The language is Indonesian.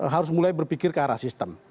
harus mulai berpikir ke arah sistem